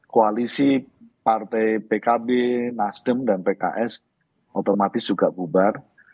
koalisi partai pkb nasdem dan pks otomatis juga bubar